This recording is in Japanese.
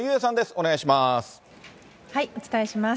お願いします。